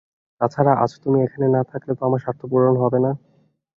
তাছাড়া আজ তুমি এখানে না থাকলে তো আমার স্বার্থ পূর্ণ হবে না।